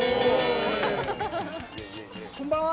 こんばんは。